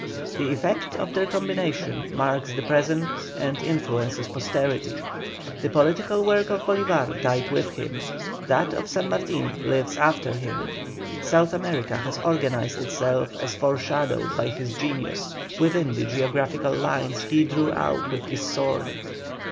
The effect of their combination marks the present and influences posterity. The political work of Bolívar died with him; that of San Martin lives after him; South America has organized itself as foreshadowed by his genius, within the geographical lines he drew out with his sword.